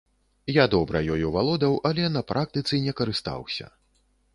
Я добра ёю валодаў, але на практыцы не карыстаўся.